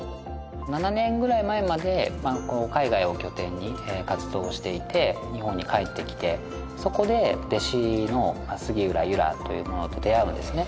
７年ぐらい前まで海外を拠点に活動をしていて日本に帰ってきてそこで弟子の杉浦ゆらという者と出会うんですね